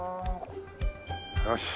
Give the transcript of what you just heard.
よし。